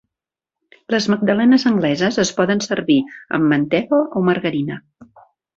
Les magdalenes angleses es poden servir amb mantega o margarina.